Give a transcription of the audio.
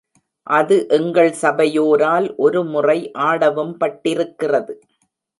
அது எங்கள் சபையோரால் ஒரு முறை ஆடவும் பட்டிருக்கிறது.